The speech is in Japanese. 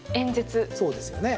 そうですよね。